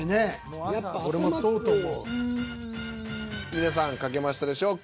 皆さん書けましたでしょうか。